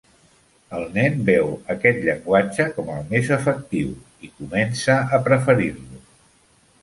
El nen veu aquest llenguatge com el més efectiu i comença a preferir-lo.